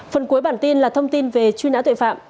phần cuối bản tin là thông tin về truy nã tội phạm